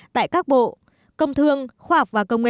tại các bộ công thương khoa học và công nghệ